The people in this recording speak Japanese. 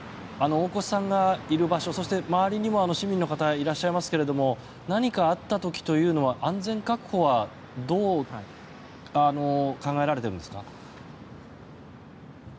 大越さんがいる場所そして周りにも市民の方がいらっしゃいますが何かあった時というのは安全確保はどう考えられているんですか？